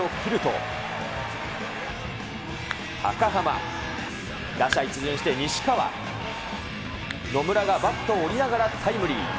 たかはま、打者一巡して西川、野村がバットを折りながらタイムリー。